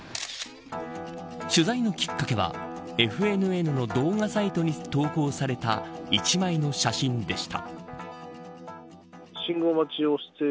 取材のきっかけはＦＮＮの動画サイトに投稿された１枚の写真でした。